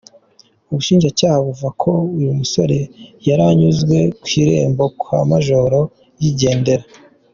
Ubushinjacyaha buvuga ko uyu musore yari anyuze kw'irembo kwa Major yigendera.